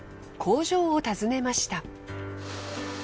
工場を訪ねました。